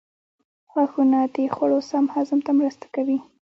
غاښونه د خوړو سم هضم ته مرسته کوي.